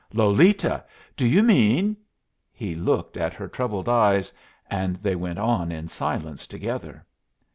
"Lolita! do you mean " He looked in her troubled eyes, and they went on in silence together.